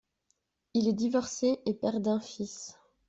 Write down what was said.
Il est divorcé et père d'un fils.